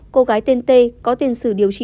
cô gái tên tê có tiền sử điều trị